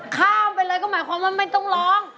ข้ามไปเลยก็หมายความว่าไม่ต้องร้อง